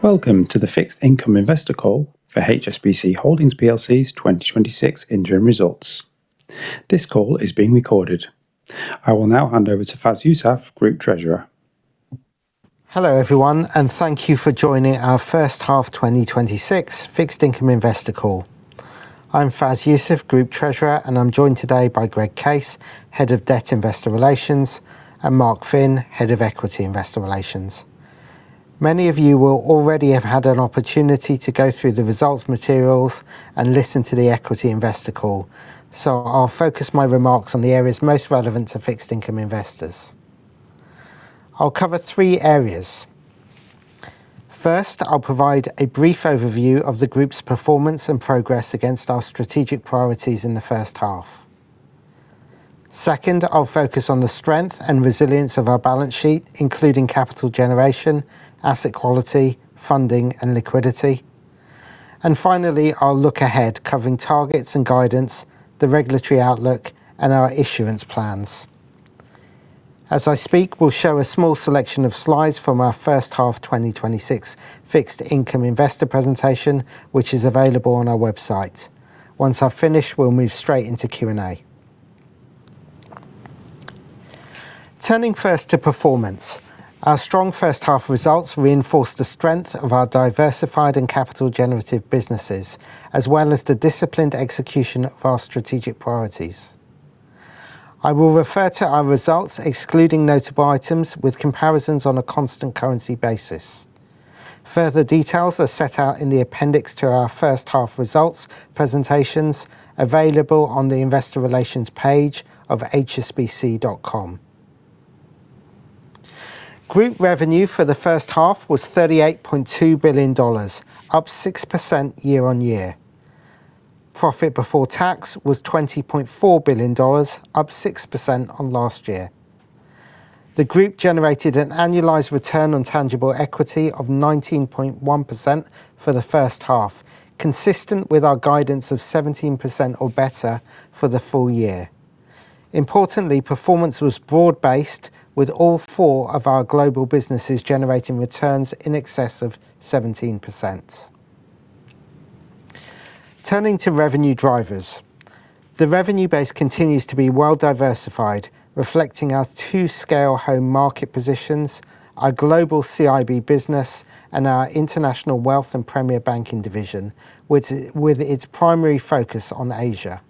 Welcome to the Fixed Income Investor Call for HSBC Holdings plc's 2026 interim results. This call is being recorded. I will now hand over to Fas Yousaf, Group Treasurer. Hello everyone, thank you for joining our first half 2026 Fixed Income Investor Call. I'm Fas Yousaf, Group Treasurer, and I'm joined today by Greg Case, Head of Debt Investor Relations, and Mark Phin, Head of Equity Investor Relations. Many of you will already have had an opportunity to go through the results materials and listen to the equity investor call, I'll focus my remarks on the areas most relevant to fixed income investors. I'll cover three areas. First, I'll provide a brief overview of the group's performance and progress against our strategic priorities in the first half. Second, I'll focus on the strength and resilience of our balance sheet, including capital generation, asset quality, funding, and liquidity. Finally, I'll look ahead, covering targets and guidance, the regulatory outlook, and our issuance plans. As I speak, we'll show a small selection of slides from our first half 2026 Fixed Income Investor presentation, which is available on our website. Once I've finished, we'll move straight into Q&A. Turning first to performance. Our strong first half results reinforce the strength of our diversified and capital generative businesses, as well as the disciplined execution of our strategic priorities. I will refer to our results excluding notable items with comparisons on a constant currency basis. Further details are set out in the appendix to our first half results presentations available on the investor relations page of hsbc.com. Group revenue for the first half was $38.2 billion, up 6% year-on-year. Profit before tax was $20.4 billion, up 6% on last year. The group generated an annualized return on tangible equity of 19.1% for the first half, consistent with our guidance of 17% or better for the full year. Importantly, performance was broad based, with all four of our global businesses generating returns in excess of 17%. Turning to revenue drivers. The revenue base continues to be well diversified, reflecting our two scale home market positions, our global CIB business, and our international wealth and premier banking division, with its primary focus on Asia.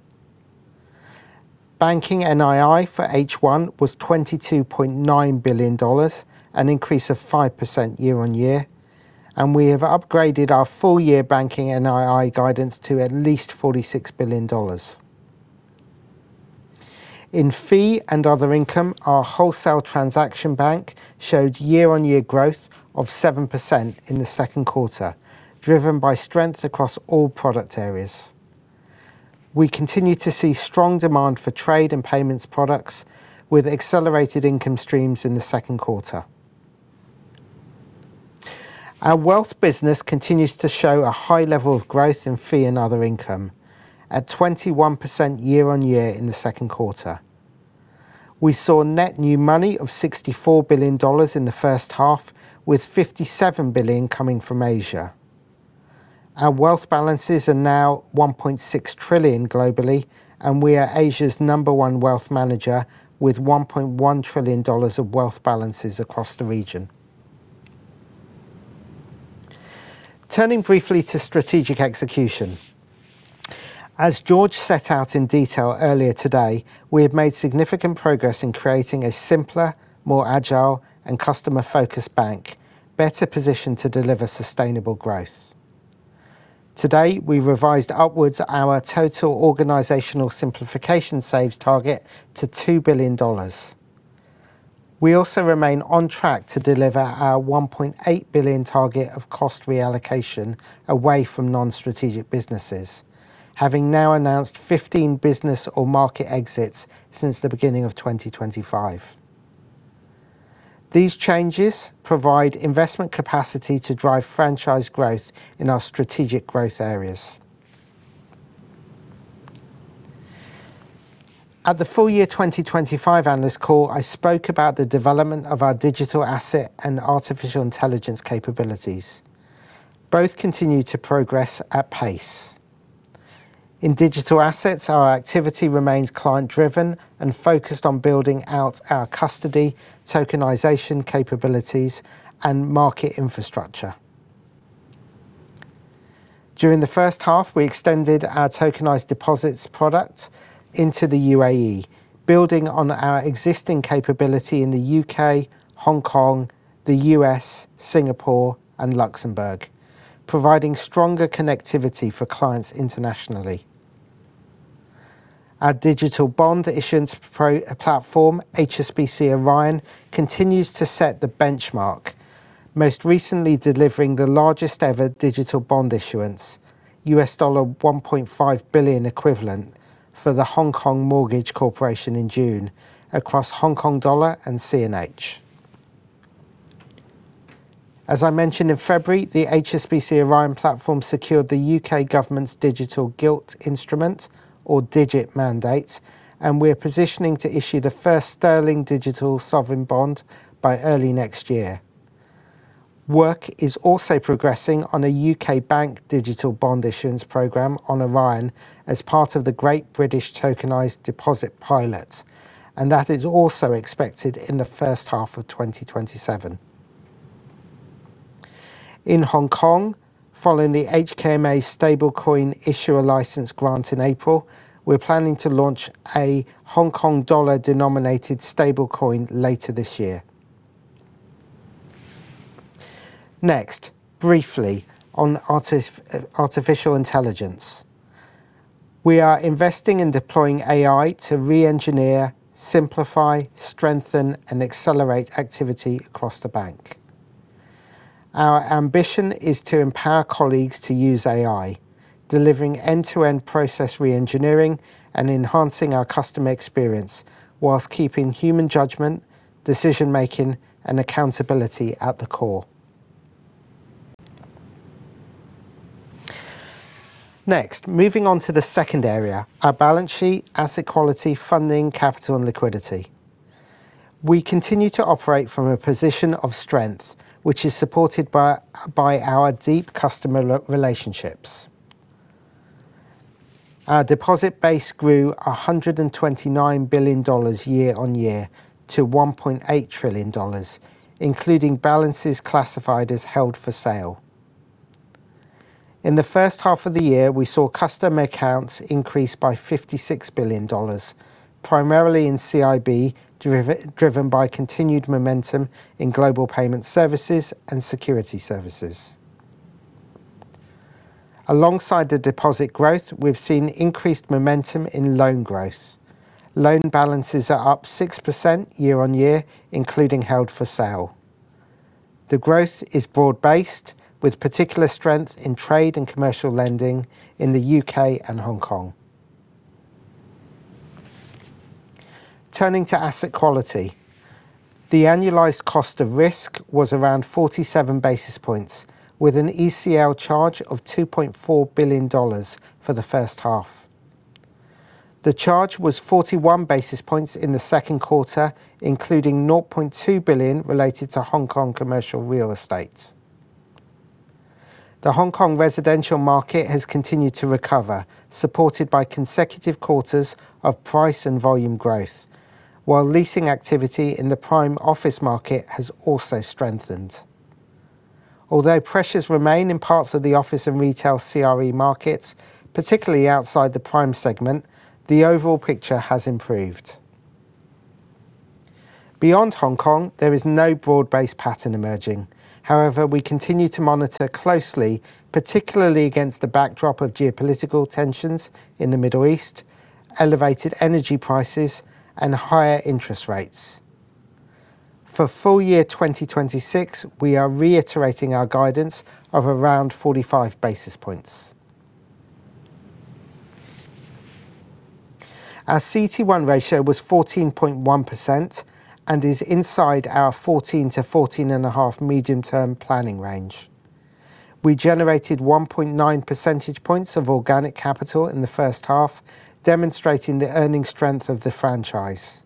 Banking NII for H1 was $22.9 billion, an increase of 5% year-on-year, We have upgraded our full-year Banking NII guidance to at least $46 billion. In fee and other income, our wholesale transaction bank showed year-on-year growth of 7% in the second quarter, driven by strength across all product areas. We continue to see strong demand for trade and payments products with accelerated income streams in the second quarter. Our wealth business continues to show a high level of growth in fee and other income at 21% year-on-year in the second quarter. We saw net new money of $64 billion in the first half with $57 billion coming from Asia. Our wealth balances are now $1.6 trillion globally, and we are Asia's number one wealth manager with $1.1 trillion of wealth balances across the region. Turning briefly to strategic execution. As Georges set out in detail earlier today, we have made significant progress in creating a simpler, more agile, and customer-focused bank better positioned to deliver sustainable growth. Today, we revised upwards our total organizational simplification saves target to $2 billion. We also remain on track to deliver our $1.8 billion target of cost reallocation away from non-strategic businesses, having now announced 15 business or market exits since the beginning of 2025. These changes provide investment capacity to drive franchise growth in our strategic growth areas. At the full year 2025 analyst call, I spoke about the development of our digital asset and artificial intelligence capabilities. Both continue to progress at pace. In digital assets, our activity remains client-driven and focused on building out our custody, tokenization capabilities, and market infrastructure. During the first half, we extended our tokenized deposits product into the U.A.E., building on our existing capability in the U.K., Hong Kong, the U.S., Singapore, and Luxembourg, providing stronger connectivity for clients internationally. Our digital bond issuance platform, HSBC Orion, continues to set the benchmark, most recently delivering the largest ever digital bond issuance, $1.5 billion equivalent for The Hong Kong Mortgage Corporation in June across Hong Kong dollar and CNH. As I mentioned in February, the HSBC Orion platform secured the U.K. government's Digital Gilt Instrument, or DIGIT mandate, we're positioning to issue the first sterling digital sovereign bond by early next year. Work is also progressing on a U.K. bank digital bond issuance program on Orion as part of the Great British Tokenised Deposit pilot, that is also expected in the first half of 2027. In Hong Kong, following the HKMA stablecoin issuer license grant in April, we're planning to launch a Hong Kong dollar-denominated stablecoin later this year. Next, briefly on artificial intelligence. We are investing in deploying AI to re-engineer, simplify, strengthen, and accelerate activity across the bank. Our ambition is to empower colleagues to use AI, delivering end-to-end process re-engineering and enhancing our customer experience whilst keeping human judgment, decision-making, and accountability at the core. Next, moving on to the second area, our balance sheet, asset quality, funding, capital, and liquidity. We continue to operate from a position of strength, which is supported by our deep customer relationships. Our deposit base grew $129 billion year-on-year to $1.8 trillion, including balances classified as held for sale. In the first half of the year, we saw customer accounts increase by $56 billion, primarily in CIB, driven by continued momentum in global payment services and security services. Alongside the deposit growth, we've seen increased momentum in loan growth. Loan balances are up 6% year-on-year, including held for sale. The growth is broad-based, with particular strength in trade and commercial lending in the U.K. and Hong Kong. Turning to asset quality. The annualized cost of risk was around 47 basis points, with an ECL charge of $2.4 billion for the first half. The charge was 41 basis points in the second quarter, including $0.2 billion related to Hong Kong commercial real estate. The Hong Kong residential market has continued to recover, supported by consecutive quarters of price and volume growth, while leasing activity in the prime office market has also strengthened. Although pressures remain in parts of the office and retail CRE markets, particularly outside the prime segment, the overall picture has improved. Beyond Hong Kong, there is no broad-based pattern emerging. However, we continue to monitor closely, particularly against the backdrop of geopolitical tensions in the Middle East, elevated energy prices, and higher interest rates. For full year 2026, we are reiterating our guidance of around 45 basis points. Our CET1 ratio was 14.1% and is inside our 14%-14.5% medium-term planning range. We generated 1.9 percentage points of organic capital in the first half, demonstrating the earning strength of the franchise.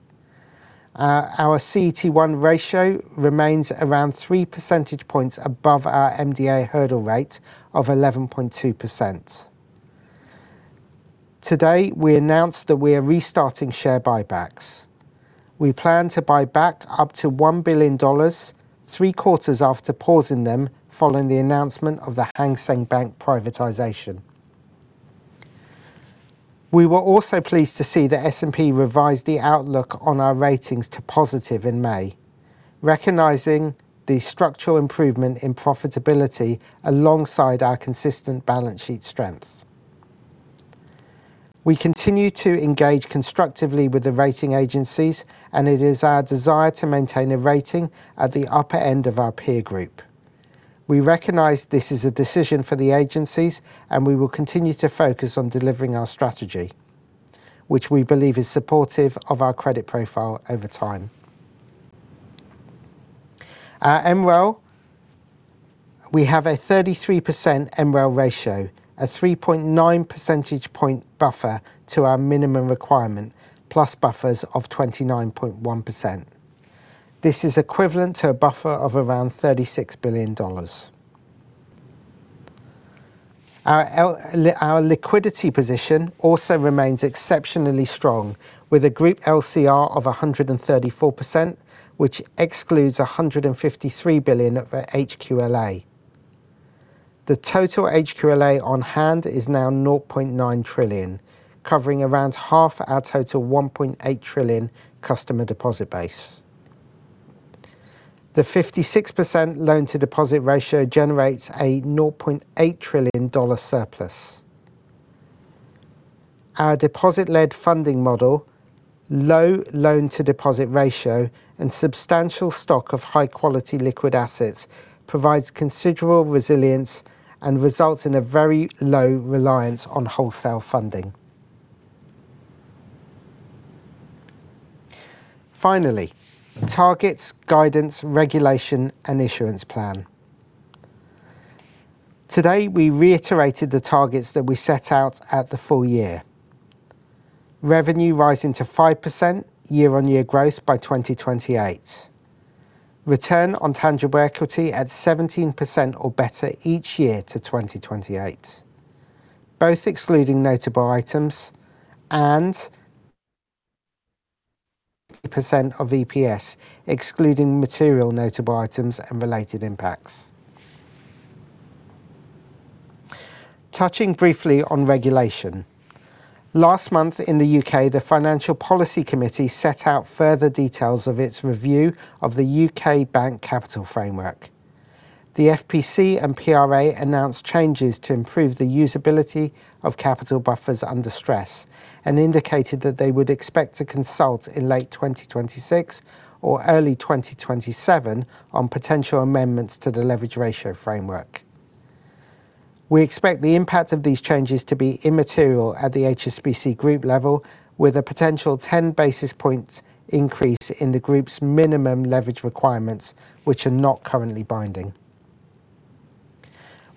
Our CET1 ratio remains around three percentage points above our MDA hurdle rate of 11.2%. Today, we announced that we are restarting share buybacks. We plan to buy back up to $1 billion, three quarters after pausing them following the announcement of the Hang Seng Bank privatization. We were also pleased to see that S&P revised the outlook on our ratings to positive in May, recognizing the structural improvement in profitability alongside our consistent balance sheet strength. We continue to engage constructively with the rating agencies, and it is our desire to maintain a rating at the upper end of our peer group. We recognize this is a decision for the agencies, and we will continue to focus on delivering our strategy, which we believe is supportive of our credit profile over time. Our MREL. We have a 33% MREL ratio, a 3.9 percentage point buffer to our minimum requirement, plus buffers of 29.1%. This is equivalent to a buffer of around $36 billion. Our liquidity position also remains exceptionally strong with a Group LCR of 134%, which excludes $153 billion of HQLA. The total HQLA on hand is now $9.9 trillion, covering around half our total $1.8 trillion customer deposit base. The 56% loan-to-deposit ratio generates a $9.8 trillion surplus. Our deposit-led funding model, low loan-to-deposit ratio, and substantial stock of high-quality liquid assets provides considerable resilience and results in a very low reliance on wholesale funding. Finally, targets, guidance, regulation, and issuance plan. Today, we reiterated the targets that we set out at the full year. Revenue rising to 5% year-on-year growth by 2028. Return on tangible equity at 17% or better each year to 2028. Both excluding notable items and % of EPS, excluding material notable items and related impacts. Touching briefly on regulation. Last month in the U.K., the Financial Policy Committee set out further details of its review of the U.K. bank capital framework. The FPC and PRA announced changes to improve the usability of capital buffers under stress and indicated that they would expect to consult in late 2026 or early 2027 on potential amendments to the leverage ratio framework. We expect the impact of these changes to be immaterial at the HSBC Group level, with a potential 10 basis points increase in the Group's minimum leverage requirements, which are not currently binding.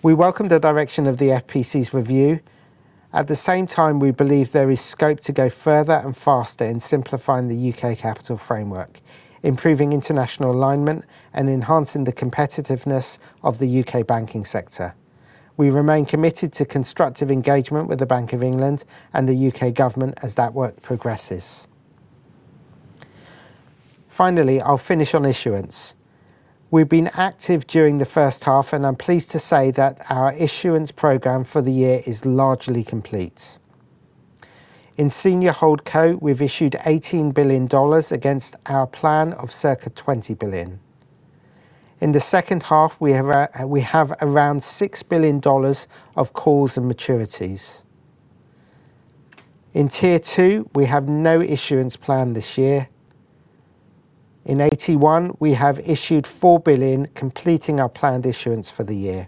We welcome the direction of the FPC's review. At the same time, we believe there is scope to go further and faster in simplifying the U.K. capital framework, improving international alignment and enhancing the competitiveness of the U.K. banking sector. We remain committed to constructive engagement with the Bank of England and the U.K. government as that work progresses. I'll finish on issuance. We've been active during the first half, I'm pleased to say that our issuance program for the year is largely complete. In Senior HoldCo, we've issued $18 billion against our plan of circa $20 billion. In the second half, we have around $6 billion of calls and maturities. In Tier 2, we have no issuance plan this year. In AT1, we have issued $4 billion, completing our planned issuance for the year.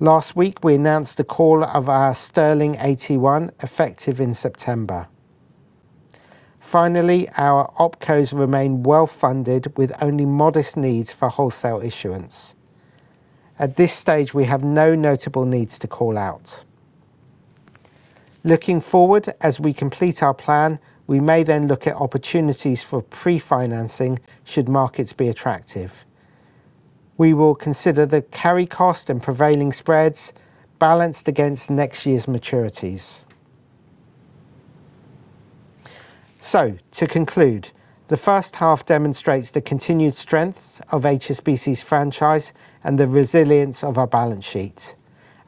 Last week, we announced a call of our sterling AT1 effective in September. Our OpCos remain well-funded with only modest needs for wholesale issuance. At this stage, we have no notable needs to call out. Looking forward, as we complete our plan, we may look at opportunities for pre-financing should markets be attractive. We will consider the carry cost and prevailing spreads balanced against next year's maturities. To conclude, the first half demonstrates the continued strength of HSBC's franchise and the resilience of our balance sheet.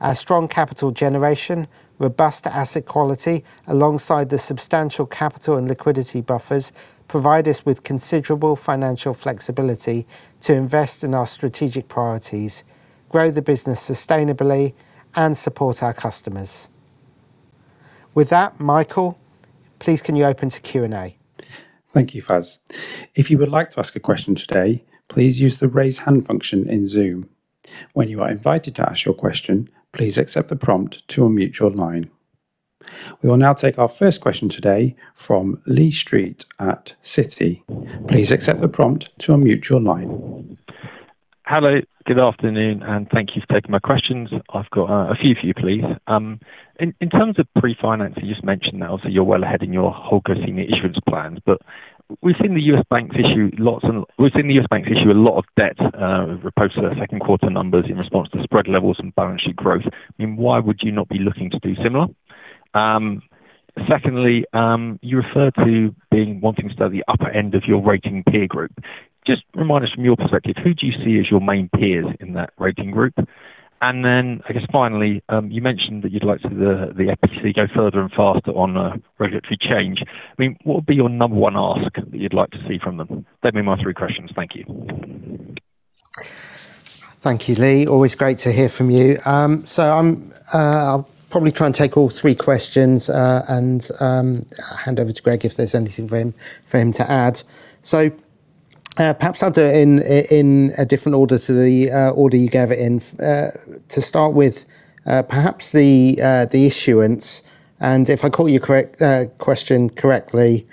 Our strong capital generation, robust asset quality, alongside the substantial capital and liquidity buffers, provide us with considerable financial flexibility to invest in our strategic priorities, grow the business sustainably, and support our customers. With that, Michael, please can you open to Q&A? Thank you, Fas. If you would like to ask a question today, please use the raise hand function in Zoom. When you are invited to ask your question, please accept the prompt to unmute your line. We will now take our first question today from Lee Street at Citi. Please accept the prompt to unmute your line. Hello. Good afternoon, and thank you for taking my questions. I've got a few for you, please. In terms of pre-financing, you just mentioned also you're well ahead in your Holdco senior issuance plans. We've seen the U.S. banks issue a lot of debt post their second quarter numbers in response to spread levels and balance sheet growth. Why would you not be looking to do similar? Secondly, you referred to wanting to stay at the upper end of your rating peer group. Just remind us from your perspective, who do you see as your main peers in that rating group? I guess finally, you mentioned that you'd like to see the FPC go further and faster on regulatory change. What would be your number one ask that you'd like to see from them? They'd be my three questions. Thank you. Thank you, Lee. Always great to hear from you. I'll probably try and take all three questions and hand over to Greg if there's anything for him to add. Perhaps I'll do it in a different order to the order you gave it in. To start with, perhaps the issuance, if I call your question correctly,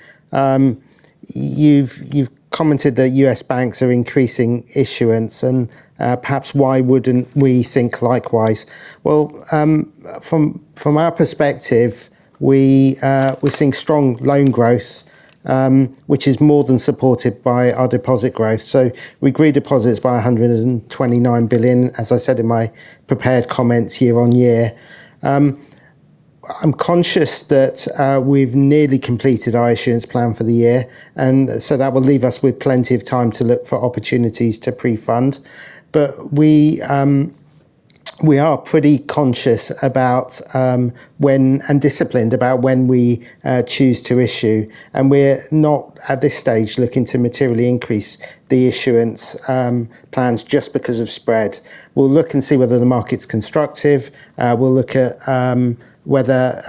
you've commented that U.S. banks are increasing issuance and perhaps why wouldn't we think likewise. Well, from our perspective, we're seeing strong loan growth, which is more than supported by our deposit growth. We grew deposits by $129 billion, as I said in my prepared comments year-on-year. I'm conscious that we've nearly completed our issuance plan for the year, that will leave us with plenty of time to look for opportunities to pre-fund. We are pretty conscious about when and disciplined about when we choose to issue, and we're not at this stage looking to materially increase the issuance plans just because of spread. We'll look and see whether the market's constructive. We'll look at whether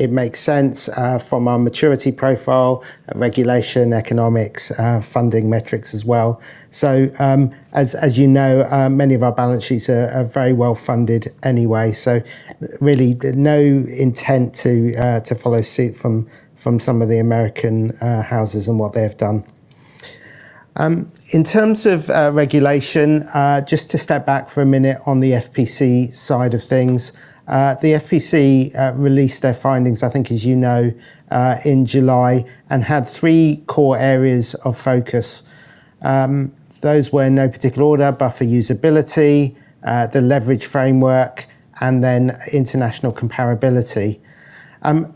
it makes sense from our maturity profile, regulation, economics, funding metrics as well. As you know, many of our balance sheets are very well funded anyway, so really no intent to follow suit from some of the American houses and what they have done. In terms of regulation, just to step back for a minute on the FPC side of things. The FPC released their findings, I think as you know, in July and had three core areas of focus. Those were in no particular order, buffer usability, the leverage framework, and then international comparability.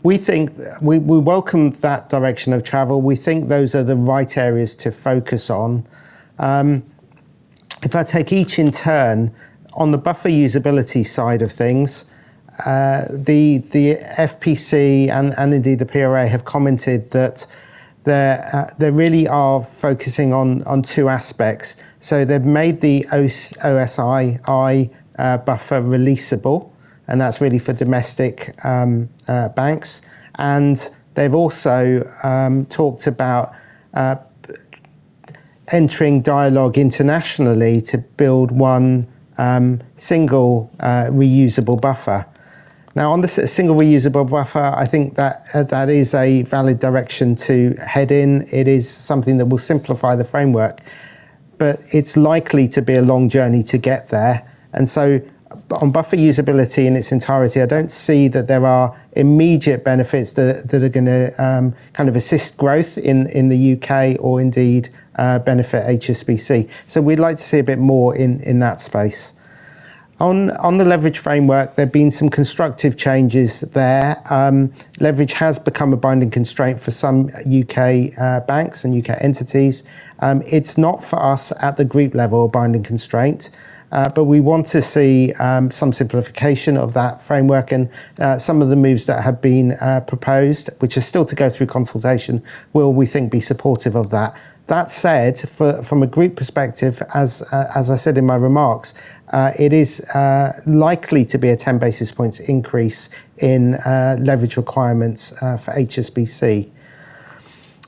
We welcome that direction of travel. We think those are the right areas to focus on. If I take each in turn on the buffer usability side of things, the FPC and indeed the PRA have commented that they really are focusing on two aspects. They've made the O-SII buffer releasable, and that's really for domestic banks. They've also talked about entering dialogue internationally to build one single reusable buffer. On the single reusable buffer, I think that is a valid direction to head in. It is something that will simplify the framework, but it's likely to be a long journey to get there. On buffer usability in its entirety, I don't see that there are immediate benefits that are going to kind of assist growth in the U.K. or indeed benefit HSBC. We'd like to see a bit more in that space. On the leverage framework, there've been some constructive changes there. Leverage has become a binding constraint for some U.K. banks and U.K. entities. It's not for us at the group level a binding constraint, but we want to see some simplification of that framework and some of the moves that have been proposed, which are still to go through consultation, will, we think, be supportive of that. That said, from a group perspective, as I said in my remarks, it is likely to be a 10 basis points increase in leverage requirements for HSBC.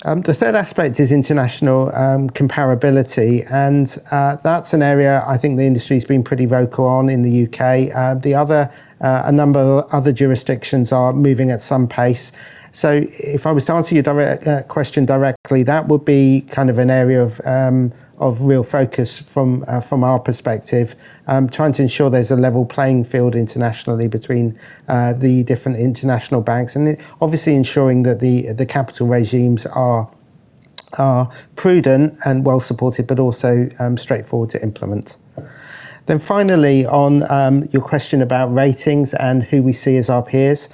The third aspect is international comparability, and that's an area I think the industry's been pretty vocal on in the U.K. A number of other jurisdictions are moving at some pace. If I was to answer your question directly, that would be kind of an area of real focus from our perspective. Trying to ensure there's a level playing field internationally between the different international banks and obviously ensuring that the capital regimes are prudent and well-supported, but also straightforward to implement. Finally, on your question about ratings and who we see as our peers.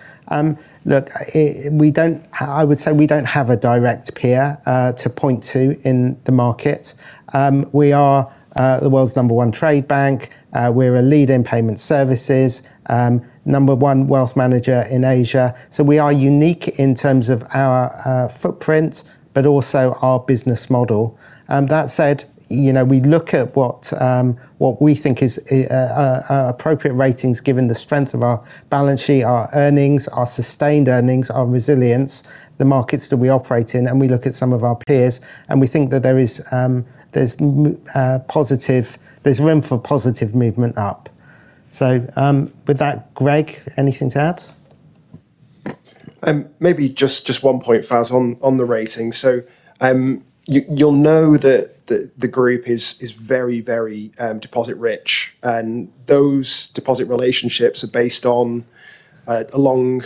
Look, I would say we don't have a direct peer to point to in the market. We are the world's number one trade bank. We're a lead in payment services, number one wealth manager in Asia. We are unique in terms of our footprint, but also our business model. That said, we look at what we think is appropriate ratings given the strength of our balance sheet, our earnings, our sustained earnings, our resilience, the markets that we operate in, and we look at some of our peers, and we think that there's room for positive movement up. With that, Greg, anything to add? Maybe just one point, Fas, on the rating. You'll know that the group is very deposit rich, and those deposit relationships are based on a long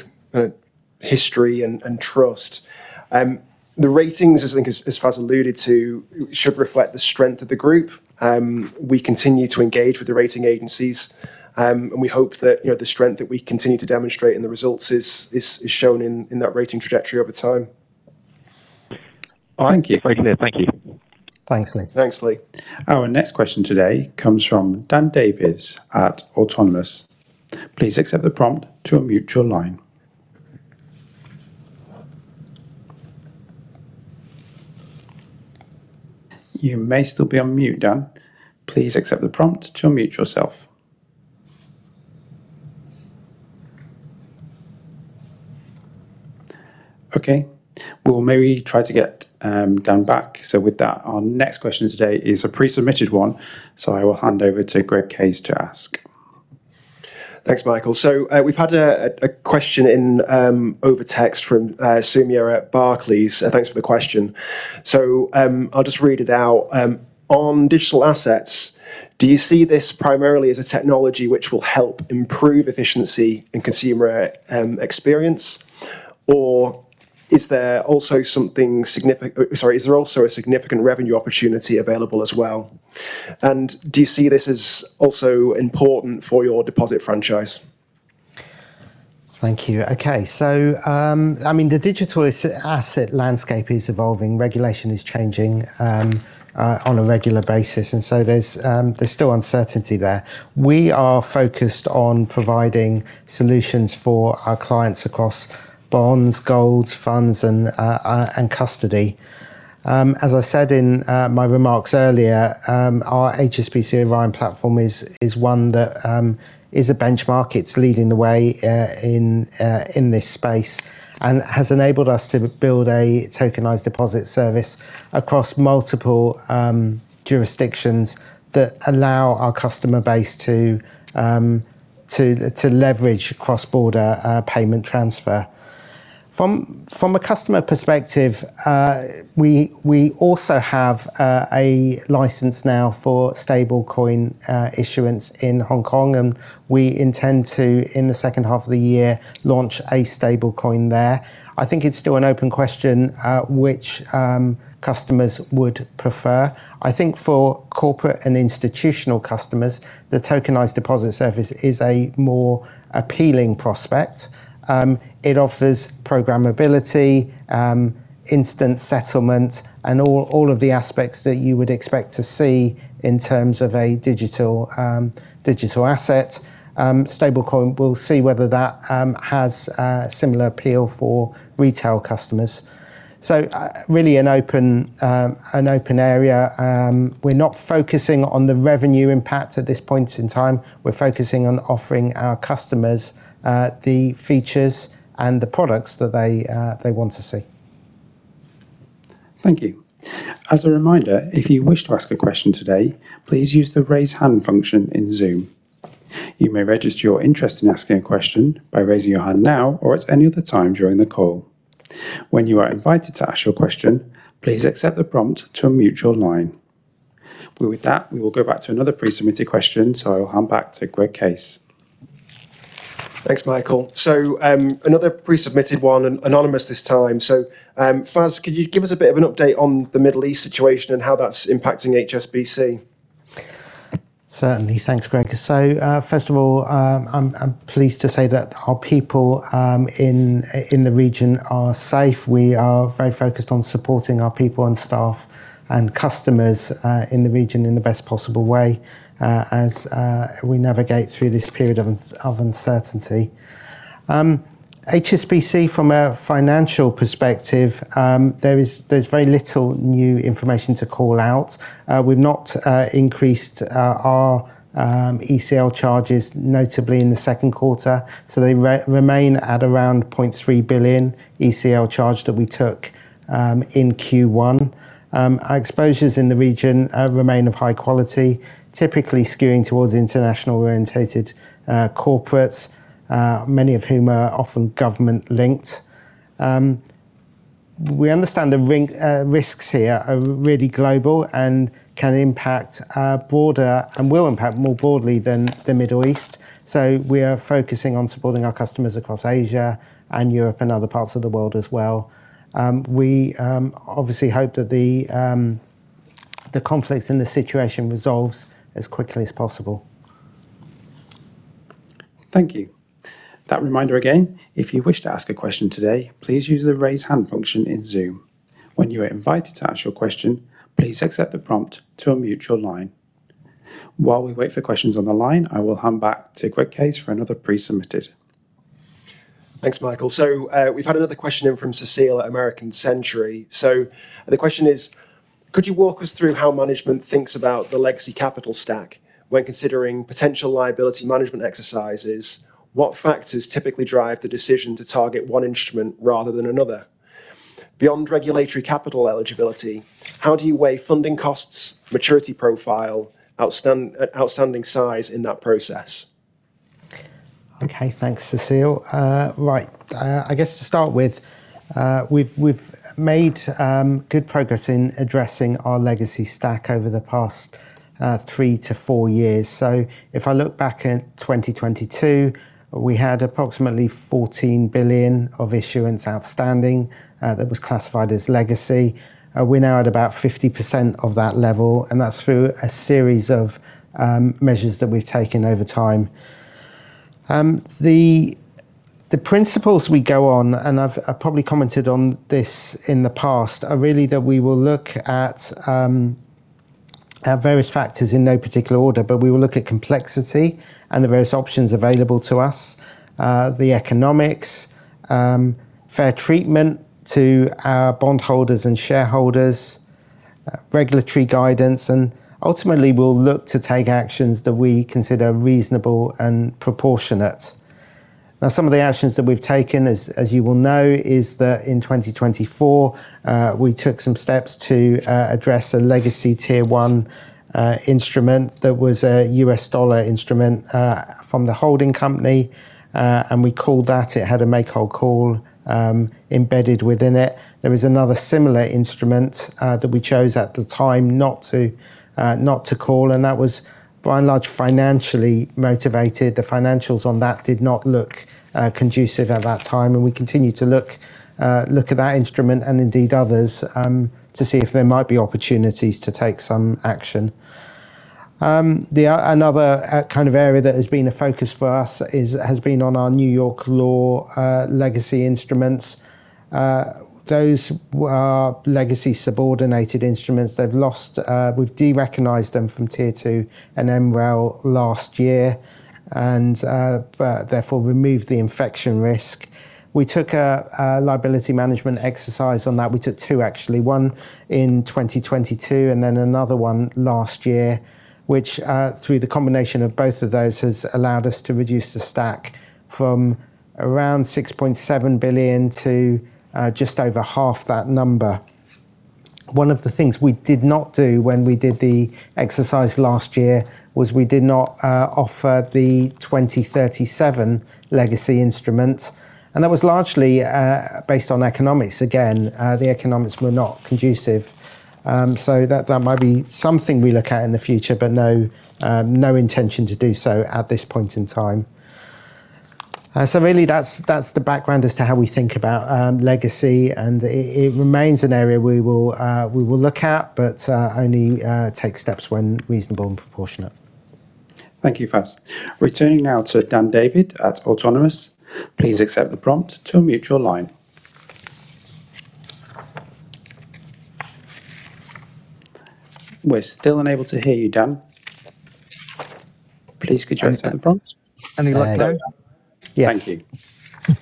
history and trust. The ratings, as I think as Fas alluded to, should reflect the strength of the group. We continue to engage with the rating agencies, and we hope that the strength that we continue to demonstrate and the results is shown in that rating trajectory over time. Thank you. Thank you. Thanks, Lee. Thanks, Lee. Our next question today comes from Dan David at Autonomous. Please accept the prompt to unmute your line. You may still be on mute, Dan. Please accept the prompt to unmute yourself. We'll maybe try to get Dan back. With that, our next question today is a pre-submitted one. I will hand over to Greg Case to ask. Thanks, Michael. We've had a question in over text from Sumira at Barclays. Thanks for the question. I'll just read it out. On digital assets, do you see this primarily as a technology which will help improve efficiency and consumer experience, or is there also a significant revenue opportunity available as well? Do you see this as also important for your deposit franchise? Thank you. The digital asset landscape is evolving. Regulation is changing on a regular basis, there's still uncertainty there. We are focused on providing solutions for our clients across bonds, gold, funds, and custody. As I said in my remarks earlier, our HSBC Orion platform is one that is a benchmark. It's leading the way in this space and has enabled us to build a tokenized deposit service across multiple jurisdictions that allow our customer base to leverage cross-border payment transfer. From a customer perspective, we also have a license now for stablecoin issuance in Hong Kong, we intend to, in the second half of the year, launch a stablecoin there. I think it's still an open question which customers would prefer. I think for corporate and institutional customers, the tokenized deposit service is a more appealing prospect. It offers programmability, instant settlement, and all of the aspects that you would expect to see in terms of a digital asset. Stablecoin, we'll see whether that has a similar appeal for retail customers. Really an open area. We're not focusing on the revenue impact at this point in time. We're focusing on offering our customers the features and the products that they want to see. Thank you. As a reminder, if you wish to ask a question today, please use the raise hand function in Zoom. You may register your interest in asking a question by raising your hand now or at any other time during the call. When you are invited to ask your question, please accept the prompt to unmute your line. We will go back to another pre-submitted question, so I'll hand back to Greg Case. Thanks, Michael. Another pre-submitted one, and anonymous this time. Fas, could you give us a bit of an update on the Middle East situation and how that's impacting HSBC? Certainly. Thanks, Greg. First of all, I'm pleased to say that our people in the region are safe. We are very focused on supporting our people and staff and customers in the region in the best possible way, as we navigate through this period of uncertainty. HSBC, from a financial perspective, there's very little new information to call out. We've not increased our ECL charges, notably in the second quarter, so they remain at around $0.3 billion ECL charge that we took in Q1. Our exposures in the region remain of high quality, typically skewing towards international-orientated corporates, many of whom are often government-linked. We understand the risks here are really global and can impact broader and will impact more broadly than the Middle East. We are focusing on supporting our customers across Asia and Europe and other parts of the world as well. We obviously hope that the conflicts and the situation resolves as quickly as possible. Thank you. That reminder again, if you wish to ask a question today, please use the raise hand function in Zoom. When you are invited to ask your question, please accept the prompt to unmute your line. While we wait for questions on the line, I will hand back to Greg Case for another pre-submitted. Thanks, Michael. We've had another question in from Cécile at American Century. The question is, could you walk us through how management thinks about the legacy capital stack when considering potential liability management exercises? What factors typically drive the decision to target one instrument rather than another? Beyond regulatory capital eligibility, how do you weigh funding costs, maturity profile, outstanding size in that process? Okay. Thanks, Cécile. Right. I guess to start with, we've made good progress in addressing our legacy stack over the past three to four years. If I look back at 2022, we had approximately $14 billion of issuance outstanding, that was classified as legacy. We're now at about 50% of that level, and that's through a series of measures that we've taken over time. The principles we go on, and I've probably commented on this in the past, are really that we will look at various factors in no particular order. We will look at complexity and the various options available to us, the economics, fair treatment to our bondholders and shareholders, regulatory guidance, and ultimately, we'll look to take actions that we consider reasonable and proportionate. Some of the actions that we've taken, as you will know, is that in 2024, we took some steps to address a legacy Tier 1 instrument that was a U.S. dollar instrument from the holding company, and we called that. It had a make-whole call embedded within it. There was another similar instrument that we chose at the time not to call, that was by and large financially motivated. The financials on that did not look conducive at that time, we continue to look at that instrument and indeed others, to see if there might be opportunities to take some action. Another area that has been a focus for us has been on our New York law legacy instruments. Those are legacy subordinated instruments. We've derecognized them from Tier 2 and MREL last year, therefore removed the infection risk. We took a liability management exercise on that. We took two actually, one in 2022 another one last year, which through the combination of both of those, has allowed us to reduce the stack from around $6.7 billion to just over half that number. One of the things we did not do when we did the exercise last year was we did not offer the 2037 legacy instrument, that was largely based on economics. Again, the economics were not conducive. That might be something we look at in the future, no intention to do so at this point in time. Really that's the background as to how we think about legacy, it remains an area we will look at, only take steps when reasonable and proportionate. Thank you, Fas. Returning now to Dan David at Autonomous. Please accept the prompt to unmute your line. We're still unable to hear you, Dan. Please could you accept the prompt? Any luck now? Yes. Thank you.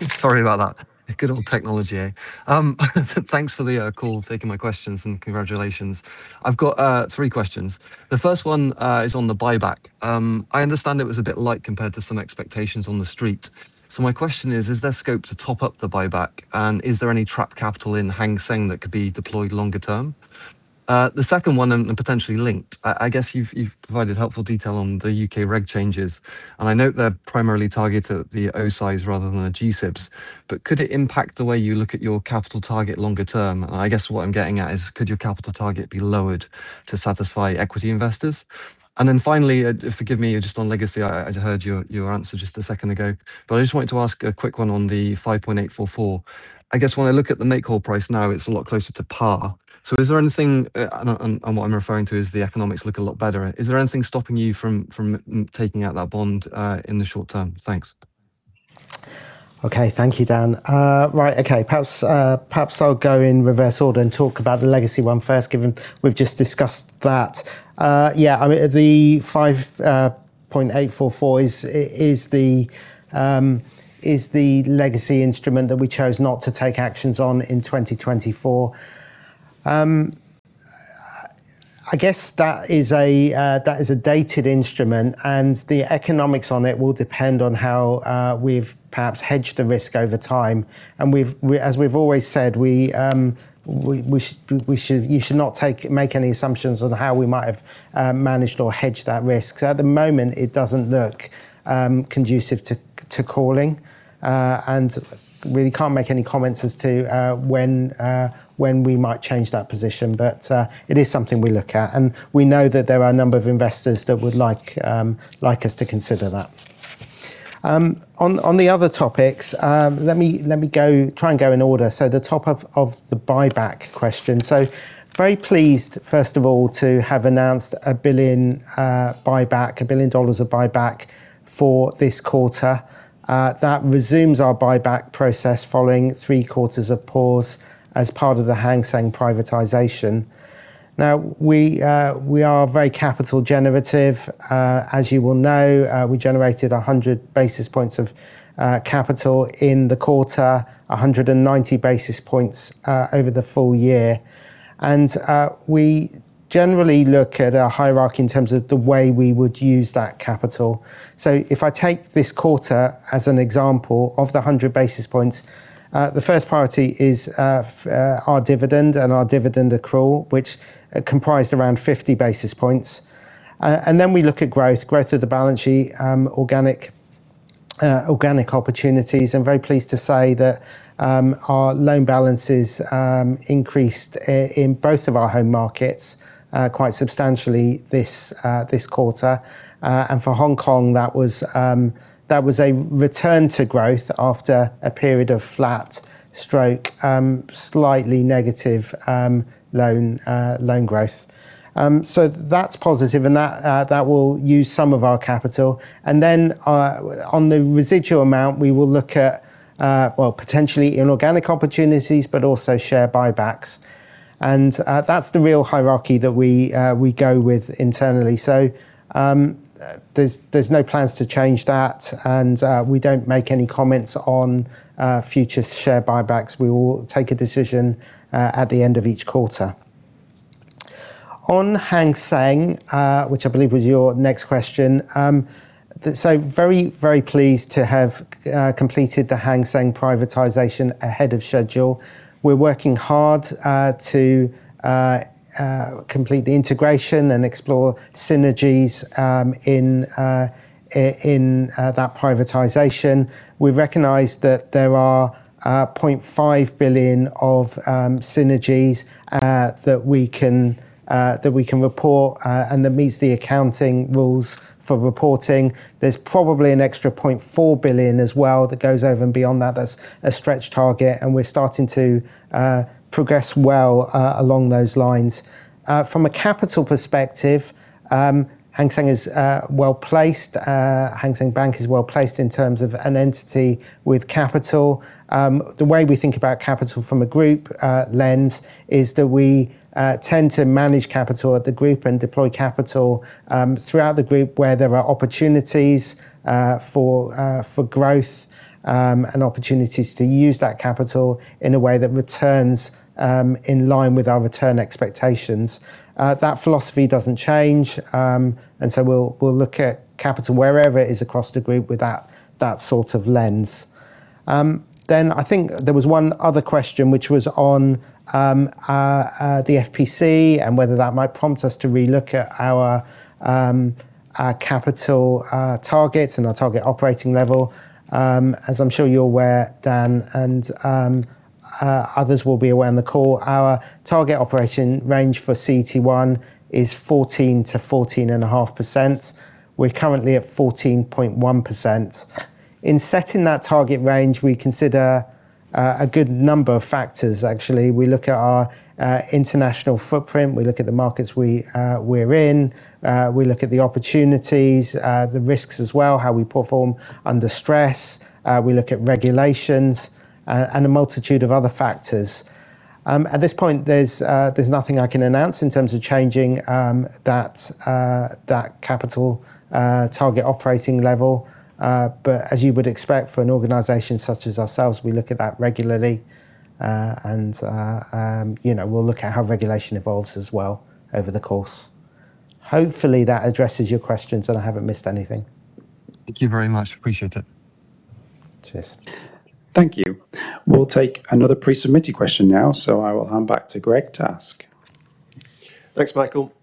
Sorry about that. Good old technology, eh? Thanks for the call, taking my questions, and congratulations. I've got three questions. The first one is on the buyback. I understand it was a bit light compared to some expectations on the Street. Is there scope to top up the buyback? Is there any trapped capital in Hang Seng that could be deployed longer term? The second one, potentially linked, I guess you've provided helpful detail on the U.K. reg changes, and I note they're primarily targeted at the O-SIIs rather than the G-SIBs. Could it impact the way you look at your capital target longer term? I guess what I'm getting at is could your capital target be lowered to satisfy equity investors? Finally, forgive me, just on legacy, I'd heard your answer just a second ago. I just wanted to ask a quick one on the 5.844%. I guess when I look at the make-whole price now, it's a lot closer to par. Is there anything, what I'm referring to is the economics look a lot better, is there anything stopping you from taking out that bond in the short term? Thanks. Okay. Thank you, Dan. Right, okay. Perhaps I'll go in reverse order and talk about the legacy one first, given we've just discussed that. Yeah, the 5.844% is the legacy instrument that we chose not to take actions on in 2024. I guess that is a dated instrument. The economics on it will depend on how we've perhaps hedged the risk over time. As we've always said, you should not make any assumptions on how we might have managed or hedged that risk. At the moment, it doesn't look conducive to calling. Really can't make any comments as to when we might change that position. It is something we look at, and we know that there are a number of investors that would like us to consider that. On the other topics, let me try and go in order. The top of the buyback question. Very pleased, first of all, to have announced $1 billion of buyback for this quarter. That resumes our buyback process following three quarters of pause as part of the Hang Seng privatization. Now, we are very capital generative. As you will know, we generated 100 basis points of capital in the quarter, 190 basis points over the full year. We generally look at our hierarchy in terms of the way we would use that capital. If I take this quarter as an example of the 100 basis points, the first priority is our dividend and our dividend accrual, which comprised around 50 basis points. We look at growth of the balance sheet, organic opportunities. I'm very pleased to say that our loan balances increased, in both of our home markets, quite substantially this quarter. For Hong Kong, that was a return to growth after a period of flat stroke slightly negative loan growth. That's positive, and that will use some of our capital. On the residual amount, we will look at potentially inorganic opportunities, but also share buybacks. That's the real hierarchy that we go with internally. There's no plans to change that, and we don't make any comments on future share buybacks. We will take a decision at the end of each quarter. Hang Seng, which I believe was your next question. Very pleased to have completed the Hang Seng privatization ahead of schedule. We're working hard to complete the integration and explore synergies in that privatization. We recognize that there are $0.5 billion of synergies that we can report and that meets the accounting rules for reporting. There's probably an extra $0.4 billion as well that goes over and beyond that as a stretch target, and we're starting to progress well along those lines. From a capital perspective, Hang Seng Bank is well-placed in terms of an entity with capital. The way we think about capital from a group lens is that we tend to manage capital at the group and deploy capital throughout the group where there are opportunities for growth and opportunities to use that capital in a way that returns in line with our return expectations. That philosophy doesn't change, we'll look at capital wherever it is across the group with that sort of lens. I think there was one other question which was on the FPC and whether that might prompt us to relook at our capital target and our target operating level. As I'm sure you're aware, Dan and others will be aware on the call, our target operating range for CET1 is 14%-14.5%. We're currently at 14.1%. In setting that target range, we consider a good number of factors, actually. We look at our international footprint, we look at the markets we're in, we look at the opportunities, the risks as well, how we perform under stress. We look at regulations, and a multitude of other factors. At this point, there's nothing I can announce in terms of changing that capital target operating level. As you would expect for an organization such as ourselves, we look at that regularly. And we'll look at how regulation evolves as well over the course. Hopefully, that addresses your questions, and I haven't missed anything. Thank you very much. Appreciate it. Cheers. Thank you. We'll take another pre-submitted question now. I will hand back to Greg to ask. Thanks, Michael.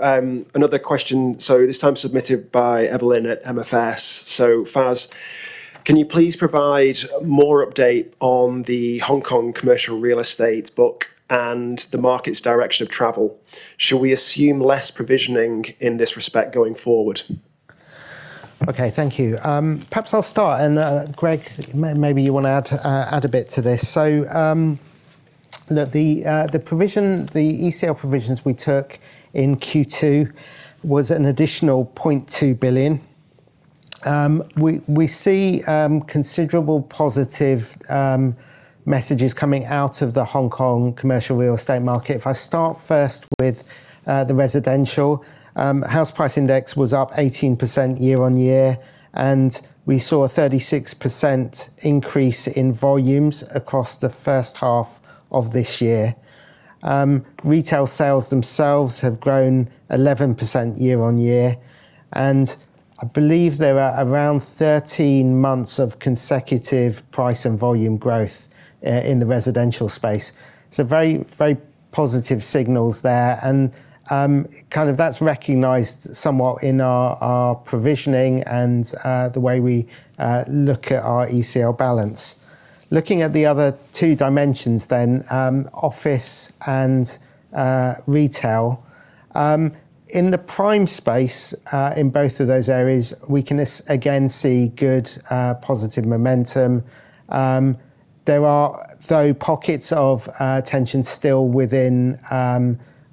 Another question. This time submitted by Evelyn at MFS. Fas, can you please provide more update on the Hong Kong commercial real estate book and the market's direction of travel? Should we assume less provisioning in this respect going forward? Okay, thank you. Perhaps I'll start, and Greg, maybe you want to add a bit to this. Look, the ECL provisions we took in Q2 was an additional $0.2 billion. We see considerable positive messages coming out of the Hong Kong commercial real estate market. If I start first with the residential. House price index was up 18% year-over-year, and we saw a 36% increase in volumes across the first half of this year. Retail sales themselves have grown 11% year-over-year, and I believe there are around 13 months of consecutive price and volume growth in the residential space. Very positive signals there. That's recognized somewhat in our provisioning and the way we look at our ECL balance. Looking at the other two dimensions, office and retail. In the prime space, in both of those areas, we can again see good positive momentum. There are, though, pockets of tension still within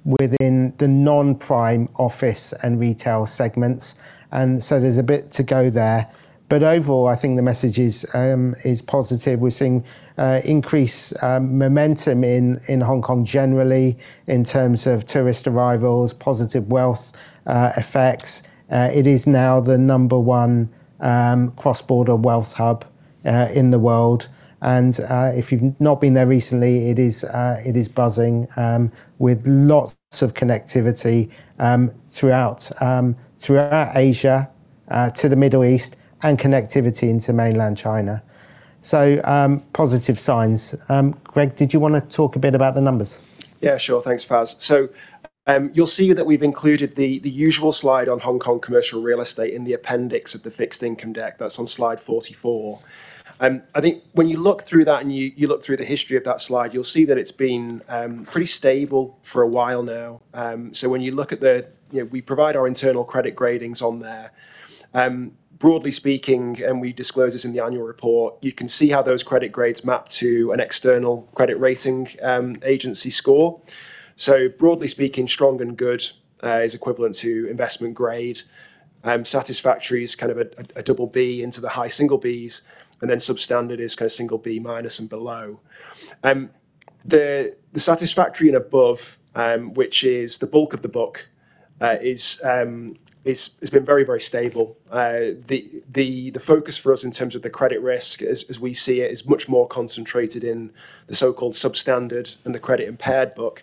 the non-prime office and retail segments. There's a bit to go there. Overall, I think the message is positive. We're seeing increased momentum in Hong Kong generally in terms of tourist arrivals, positive wealth effects. It is now the number one cross-border wealth hub in the world. If you've not been there recently, it is buzzing with lots of connectivity throughout Asia to the Middle East, and connectivity into mainland China. Positive signs. Greg, did you want to talk a bit about the numbers? Thanks, Fas. You'll see that we've included the usual slide on Hong Kong commercial real estate in the appendix of the fixed income deck that's on slide 44. When you look through that and you look through the history of that slide, you'll see that it's been pretty stable for a while now. We provide our internal credit gradings on there. Broadly speaking, and we disclose this in the annual report, you can see how those credit grades map to an external credit rating agency score. Broadly speaking, strong and good is equivalent to investment grade. Satisfactory is kind of a BB into the high single Bs. Substandard is kind of single B- and below. The satisfactory and above, which is the bulk of the book, has been very stable. The focus for us in terms of the credit risk, as we see it, is much more concentrated in the so-called substandard and the credit-impaired book.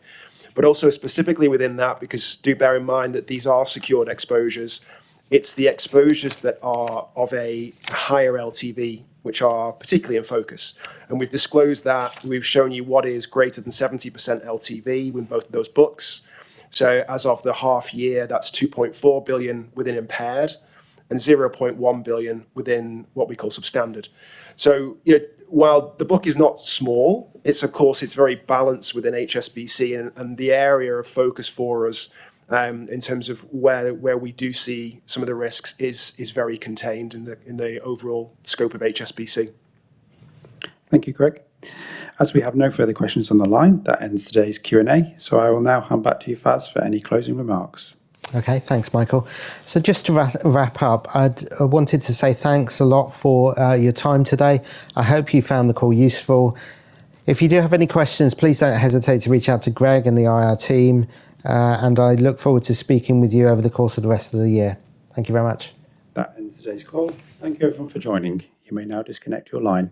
Also specifically within that, because do bear in mind that these are secured exposures. It's the exposures that are of a higher LTV, which are particularly in focus. We've disclosed that, and we've shown you what is greater than 70% LTV with both of those books. As of the half year, that's $2.4 billion within impaired and $0.1 billion within what we call substandard. While the book is not small, of course, it's very balanced within HSBC, and the area of focus for us, in terms of where we do see some of the risks is very contained in the overall scope of HSBC. Thank you, Greg. As we have no further questions on the line, that ends today's Q&A. I will now hand back to you, Fas, for any closing remarks. Thanks, Michael. Just to wrap up, I wanted to say thanks a lot for your time today. I hope you found the call useful. If you do have any questions, please don't hesitate to reach out to Greg and the IR team, and I look forward to speaking with you over the course of the rest of the year. Thank you very much. That ends today's call. Thank you everyone for joining. You may now disconnect your line.